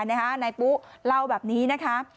นายปุ๊เล่าแบบนี้นะคะ